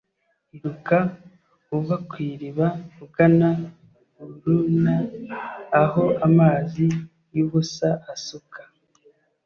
Iruka uva ku iriba ugana urn aho amazi yubusa asuka